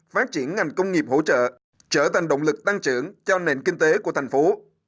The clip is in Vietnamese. phát triển ngành công nghiệp hỗ trợ trở thành động lực tăng trưởng cho nền kinh tế của thành phố